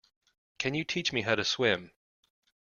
Can you teach me how to swim?